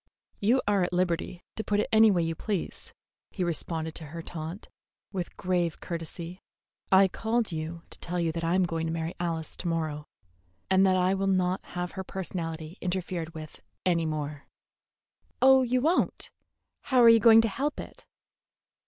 "You are at liberty to put it any way you please," he responded to her taunt, with grave courtesy. "I called you to tell you that I am going to marry Alice to morrow, and that I will not have her personality interfered with any more." "Oh, you won't? How are you going to help it?"